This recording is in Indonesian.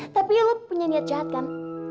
tapi ya lo punya niat jahat kan